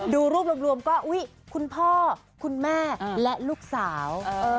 ดูรูปรวมก็อุ๊ยคุณพ่อคุณแม่และลูกสาว